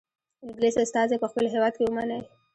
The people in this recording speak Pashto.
انګلیس استازی په خپل هیواد کې ومنئ.